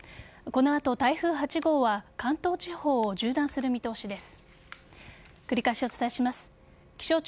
この後、台風８号は関東地方を縦断する見通しです。